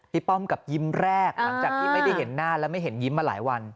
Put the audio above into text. ป้อมกับยิ้มแรกหลังจากที่ไม่ได้เห็นหน้าและไม่เห็นยิ้มมาหลายวัน